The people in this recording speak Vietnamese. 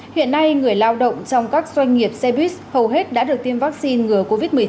hiện nay người lao động trong các doanh nghiệp xe buýt hầu hết đã được tiêm vaccine ngừa covid một mươi chín